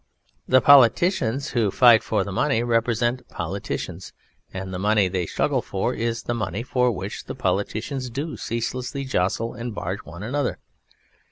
The POLITICIANS who fight for the MONEY represent POLITICIANS, and the MONEY they struggle for is the MONEY _for which Politicians do ceaselessly jostle and barge one another.